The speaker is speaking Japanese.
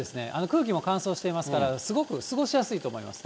空気も乾燥していますから、すごく過ごしやすいと思います。